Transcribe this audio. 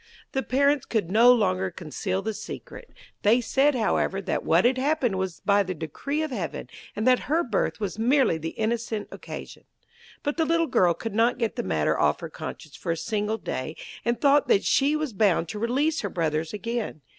The parents could no longer conceal the secret. They said, however, that what had happened was by the decree of heaven, and that her birth was merely the innocent occasion. But the little girl could not get the matter off her conscience for a single day, and thought that she was bound to release her brothers again.